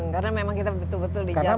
karena memang kita betul betul di jantung ya